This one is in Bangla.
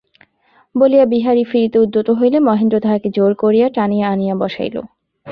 বলিয়া বিহারী ফিরিতে উদ্যত হইলে, মহেন্দ্র তাহাকে জোর করিয়া টানিয়া আনিয়া বসাইল।